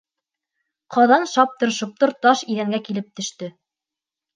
Ҡаҙан шаптыр-шоптор таш иҙәнгә килеп төштө.